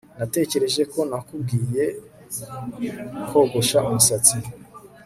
Natekereje ko nakubwiye kogosha umusatsi